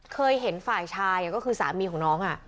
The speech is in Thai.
เคยเห็นฝ่ายชายก็คือสามีของน้อง